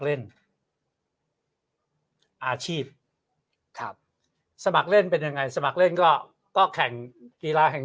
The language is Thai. เล่นอาชีพครับสมัครเล่นเป็นยังไงสมัครเล่นก็ก็แข่งกีฬาแห่ง